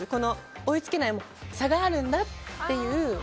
追いつけない差があるんだっていう。